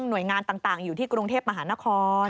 หน่วยงานต่างอยู่ที่กรุงเทพมหานคร